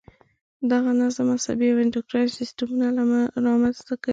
دغه نظم عصبي او انډوکراین سیستمونه را منځته کوي.